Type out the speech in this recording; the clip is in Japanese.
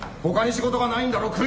他に仕事がないんだろ？